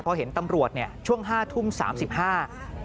พอเห็นตำรวจช่วง๕ทุ่ม๓๕น